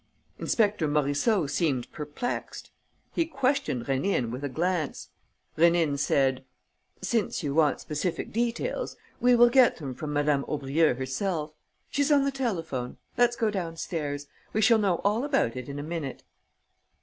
Inspector Morisseau seemed perplexed. He questioned Rénine with a glance. Rénine said: "Since you want specific details, we will get them from Madame Aubrieux herself. She's on the telephone. Let's go downstairs. We shall know all about it in a minute."